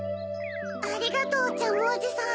ありがとうジャムおじさん。